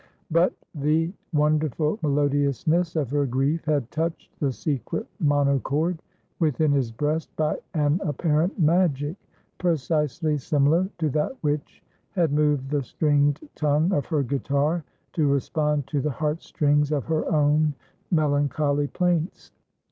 But the wonderful melodiousness of her grief had touched the secret monochord within his breast, by an apparent magic, precisely similar to that which had moved the stringed tongue of her guitar to respond to the heart strings of her own melancholy plaints.